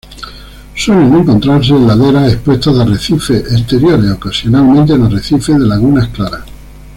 Suelen encontrarse en laderas expuestas de arrecifes exteriores, ocasionalmente en arrecifes de lagunas claras.